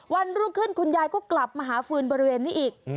วันรุ่งขึ้นคุณยายก็กลับมาหาฟืนบริเวณนี้อีก